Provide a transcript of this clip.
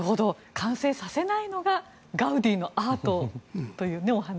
完成させないのがガウディのアートというお話。